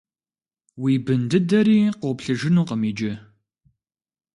Уи бын дыдэри къоплъыжынукъым иджы.